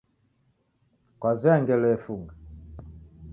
Kwazoya ngelo yefunga?